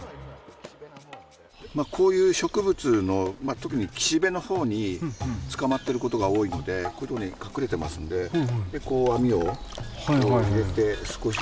こういう植物の特に岸辺の方につかまってることが多いのでこういうとこに隠れてますのでこう網をこう入れて少し探って。